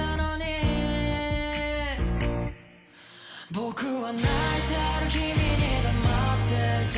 「僕は泣いてる君に黙っていた」